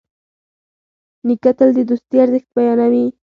نیکه تل د دوستي ارزښت بیانوي.